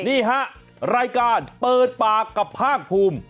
นี่ฮะรายการเปิดปากกับภาคภูมิ